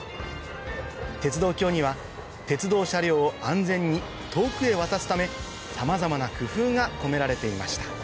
鉄道橋には鉄道車両を安全に遠くへ渡すためさまざまな工夫が込められていました